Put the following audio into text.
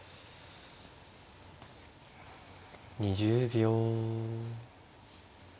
２０秒。